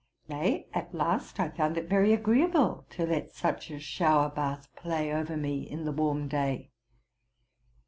Nay, at last I found it very agreeable to let such a shower bath play over me in the warm day.